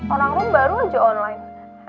orang room baru aja online